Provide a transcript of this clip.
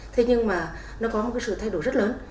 thế nhưng mà nó có một cái sự thay đổi rất lớn